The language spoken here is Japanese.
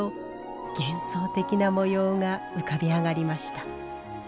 幻想的な模様が浮かび上がりました。